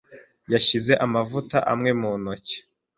Yashyize amavuta amwe mu ntoki.